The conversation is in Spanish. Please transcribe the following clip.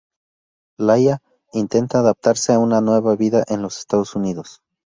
Laia intenta adaptarse a una nueva vida en los Estados Unidos.